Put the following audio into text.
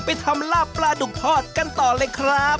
ทำลาบปลาดุกทอดกันต่อเลยครับ